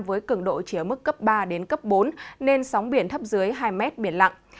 với cường độ chỉ ở mức cấp ba đến cấp bốn nên sóng biển thấp dưới hai mét biển lặng